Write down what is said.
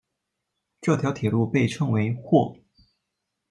这条铁路被称为或。